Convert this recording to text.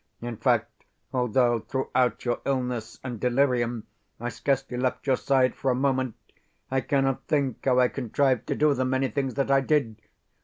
In fact, although, throughout your illness and delirium, I scarcely left your side for a moment, I cannot think how I contrived to do the many things that I did.